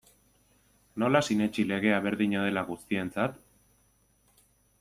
Nola sinetsi legea berdina dela guztientzat?